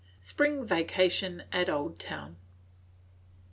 SPRING VACATION AT OLDTOWN.